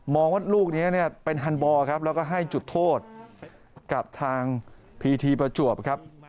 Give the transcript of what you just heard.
ว่าลูกนี้เนี่ยเป็นฮันบอลครับแล้วก็ให้จุดโทษกับทางพีทีประจวบครับ